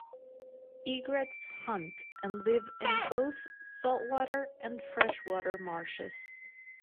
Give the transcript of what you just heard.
Egrets hunt and live in both saltwater and freshwater marshes.